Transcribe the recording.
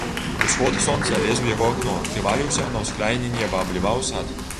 Усход сонца лез у яго акно, крывавіўся на ўскраіне неба, абліваў сад.